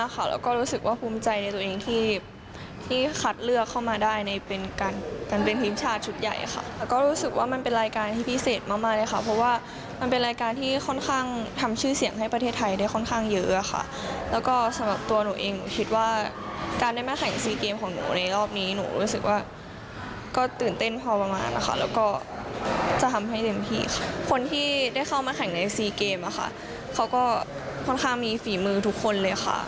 เขาก็ค่อนข้างมีฝีมือทุกคนเลยค่ะ